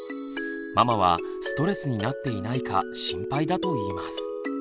ママはストレスになっていないか心配だといいます。